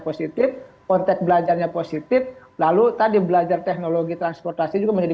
positif konteks belajarnya positif lalu tadi belajar teknologi transportasi juga menjadi